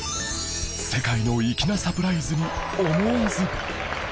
世界の粋なサプライズに思わず